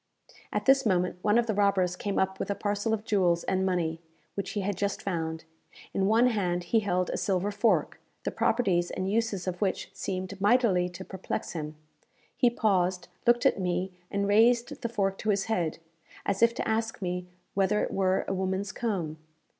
At this moment one of the robbers came up with a parcel of jewels and money, which he had just found. In one hand he held a silver fork, the properties and uses of which seemed mightily to perplex him. He paused, looked at me, and raised the fork to his head, as if to ask me whether it were a woman's comb.